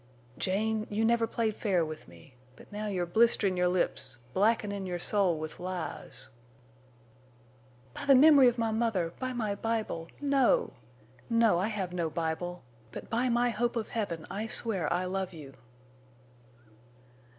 "Jane, you never played fair with me. But now you're blisterin' your lips—blackenin' your soul with lies!" "By the memory of my mother—by my Bible—no! No, I have no Bible! But by my hope of heaven I swear I love you!"